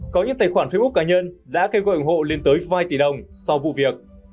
có những tài khoản facebook cá nhân đã kêu gọi ủng hộ lên tới vài tỷ đồng sau vụ việc